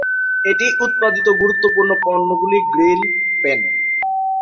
এটি উৎপাদিত গুরুত্বপূর্ণ পণ্যগুলি গ্রিল, পেন।